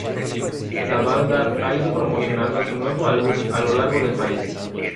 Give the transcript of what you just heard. La banda ha ido promocionando su nuevo álbum a lo largo del país.